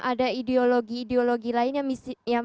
ada ideologi ideologi lain yang